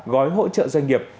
gói hỗ trợ doanh nghiệp